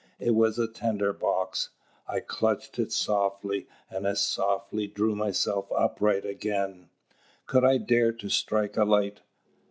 It was a tinder box. I clutched it softly, and as softly drew myself upright again. Could I dare to strike a light?